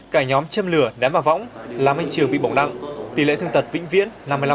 cả nhóm châm lửa ném vào võng làm anh trường bị bỏng nặng tỷ lệ thương tật vĩnh viễn năm mươi năm